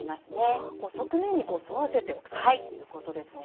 あこう側面に沿わせておくということですね。